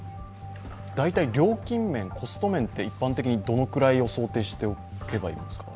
大体料金面、コスト面って一般的にどのくらい想定しておけばいいですか？